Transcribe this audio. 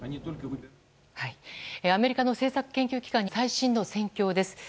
アメリカの政策研究機関による最新の戦況です。